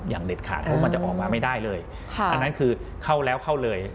เด็ดขาดเพราะมันจะออกมาไม่ได้เลยอันนั้นคือเข้าแล้วเข้าเลย